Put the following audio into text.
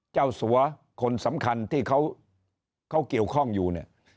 เจ้าสัวคนสำคัญที่เขาเกี่ยวข้องอยู่เนี่ย